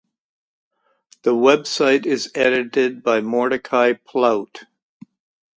The website is edited by Mordecai Plaut.